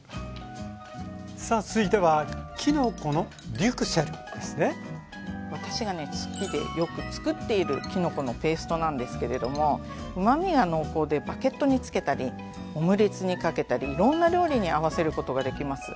さあ続いては私がね好きでよくつくっているきのこのペーストなんですけれどもうまみが濃厚でバケットにつけたりオムレツにかけたりいろんな料理に合わせることができます。